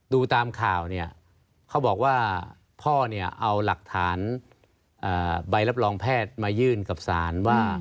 ดูตามข่าวเนี่ยเขาบอกว่าพ่อเนี่ยเอาหลักฐานใบรับรองแพทย์มายื่นกับศาลว่า